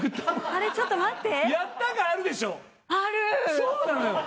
そうなのよ。